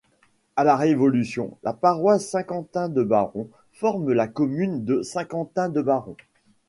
À la Révolution, la paroisse Saint-Quentin-de-Baron forme la commune de Saint-Quentin-de-Baron.